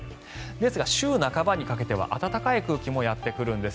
ですが週半ばにかけては暖かい空気もやってくるんです。